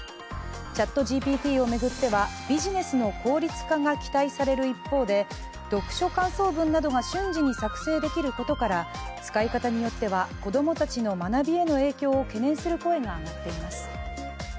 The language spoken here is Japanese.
ＣｈａｔＧＰＴを巡ってはビジネスの効率化が期待される一方で読書感想文などが瞬時に作成できることから使い方によっては、子供たちの学びへの影響を懸念する声が上がっています。